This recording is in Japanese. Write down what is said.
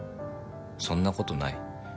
そんなことない。